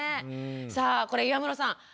さあこれ岩室さん